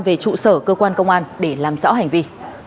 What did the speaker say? về trụ sở cơ quan công an để làm rõ hành vi